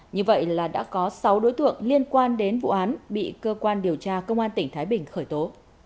như vậy là đã có sáu đối tượng liên quan đến vụ án bị cơ quan điều tra công an tỉnh thái bình khởi tố